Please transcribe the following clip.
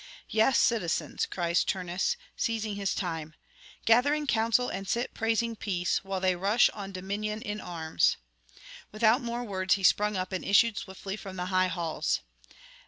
'Yes, citizens!' cries Turnus, seizing his time: 'gather in council and sit praising peace, while they rush on dominion in arms!' Without more words he sprung up and issued swiftly from the high halls.